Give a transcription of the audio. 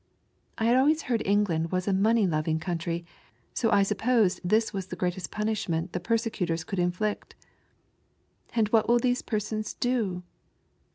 I had always heard England was a money loving country, so I supposed this was the greatest punish ment the persecutors could inflict. " And what will these persons do